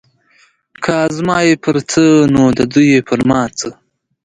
که زما یې پر څه نو د دوی پر ما څه.